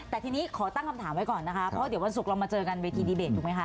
แต่ทีนี้ขอตั้งคำถามไว้ก่อนนะคะเพราะเดี๋ยววันศุกร์เรามาเจอกันเวทีดีเบตถูกไหมคะ